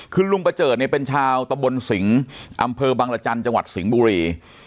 คือลุงประเจิดเนี่ยเป็นชาวตะบนสิงอำเภอบังรจันทร์จังหวัดสิงห์บุรี